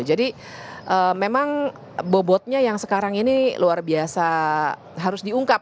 jadi memang bobotnya yang sekarang ini luar biasa harus diungkap